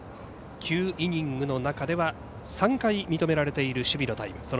９イニングの中では３回認められている守備のタイム。